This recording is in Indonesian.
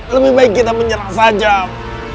lebih baik kita menyerang sajam